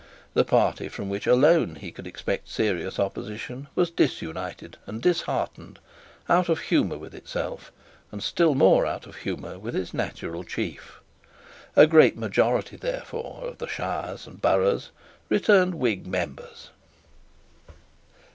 The party from which alone he could expect serious opposition was disunited and disheartened, out of humour with itself, and still more out of humour with its natural chief. A great majority, therefore, of the shires and boroughs returned Whig members.